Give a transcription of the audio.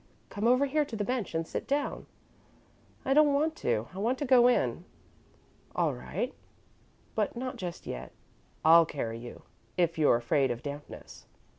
Come over here to the bench and sit down." "I don't want to. I want to go in." "All right, but not just yet. I'll carry you, if you're afraid of dampness."